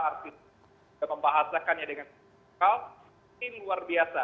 artinya membahasakannya dengan spesifikal ini luar biasa